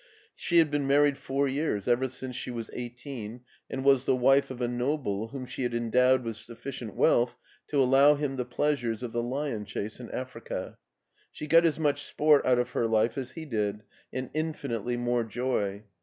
She had been married four years, ever since she was eighteen, and was the wife of a noble whom she had endowed with sufficient wealth to allow him the pleasures of the lion chase in Africa. She got as much sport out of her life as he did, and infinitely more joy.